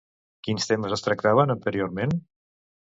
Quins temes es tractaven anteriorment?